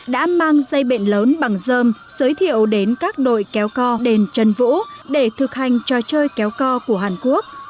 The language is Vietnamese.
đã mang dây bện lớn bằng dơm giới thiệu đến các đội kéo co đền trần vũ để thực hành trò chơi kéo co của hàn quốc